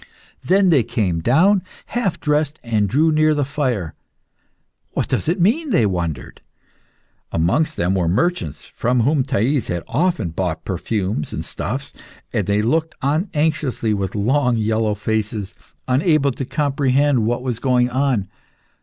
Then they came down, half dressed, and drew near the fire. "What does it mean?" they wondered. Amongst them were merchants from whom Thais had often bought perfumes and stuffs, and they looked on anxiously with long, yellow faces, unable to comprehend what was going on.